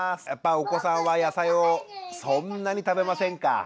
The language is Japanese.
やっぱお子さんは野菜をそんなに食べませんか？